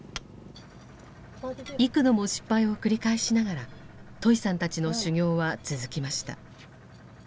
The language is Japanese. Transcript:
幾度も失敗を繰り返しながらトイさんたちの修業は続きました。